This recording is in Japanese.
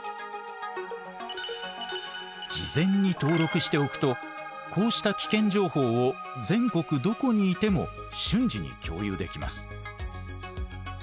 事前に登録しておくとこうした危険情報を全国どこにいても瞬時に共有できます。